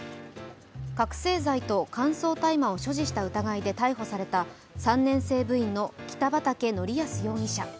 覚醒剤と乾燥大麻を所持した疑いで逮捕された３年生部員の北畠成文容疑者。